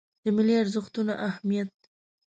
د ملي ارزښتونو اهمیت